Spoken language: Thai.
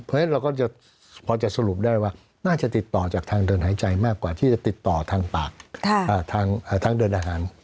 เพราะฉะนั้นเราก็จะพอจะสรุปได้ว่าน่าจะติดต่อจากทางเดินหายใจมากกว่าที่จะติดต่อทางปากทางเดินอาหาร